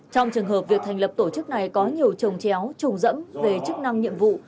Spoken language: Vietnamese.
trong trường hợp việc thành lập tổ chức này có nhiều trồng chéo trùng dẫm về chức năng nhiệm vụ